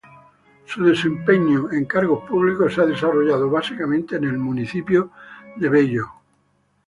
Su desempeño en cargos públicos se ha desarrollado básicamente en el municipio de Bello.